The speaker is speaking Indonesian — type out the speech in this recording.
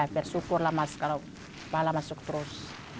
bersyukur lah mas kalau malah masuk terus